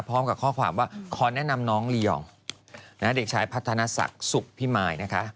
พร้อมกับข้อความว่าขอแนะนำน้องลียองเด็กชายพัฒนศักดิ์สุขพิมายนะคะ